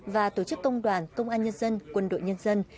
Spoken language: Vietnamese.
và tổ chức công đoàn công an nhân dân quân đội nhân dân